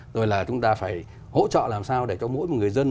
rồi là chúng ta phải hỗ trợ làm sao để cho mỗi một người dân